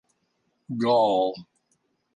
Gaul.